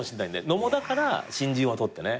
野茂だから新人王取ってね